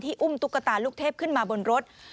อุ้มตุ๊กตาลูกเทพขึ้นมาบนรถ